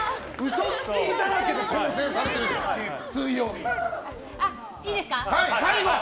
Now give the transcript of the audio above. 嘘つきだらけで構成されてる水曜日。